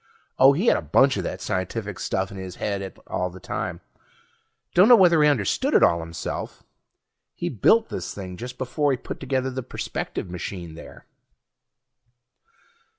Oh, he had a bunch of that scientific stuff in his head all the time; dunno whether he understood it all himself. He built this thing just before he put together the perspective machine there.